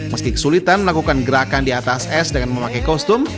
meski kesulitan melakukan gerakan di atas es dengan memakai kostum